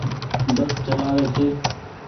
بس چلآوي ڇي۔